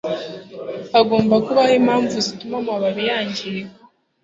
Hagomba kubaho impamvu zituma amababi yangirika;